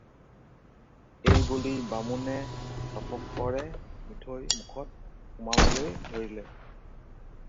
এইবুলি বামুণে টপকৰে মিঠৈ মুখত সুমুৱাবলৈ ধৰিলে।